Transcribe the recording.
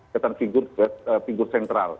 kedekatan figur sentral